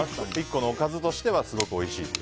１個のおかずとしてはすごくおいしいと。